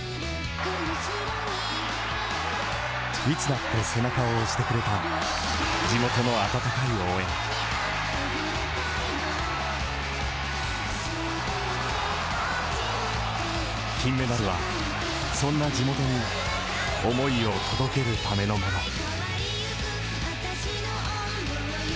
いつだって背中を押してくれた地元の温かい応援金メダルはそんな地元に思いを届けるためのもの。